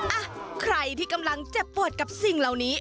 อ่ะใครที่กำลังเจ็บปวดกับสิ่งเหล่านี้